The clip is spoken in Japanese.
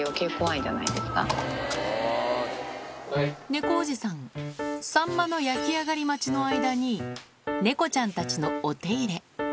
猫おじさん、サンマの焼き上がり待ちの間に猫ちゃんたちのお手入れ。